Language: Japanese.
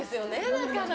なかなか。